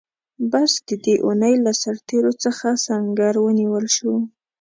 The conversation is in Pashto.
بس د دې اوونۍ له سرتېرو څخه سنګر ونیول شو.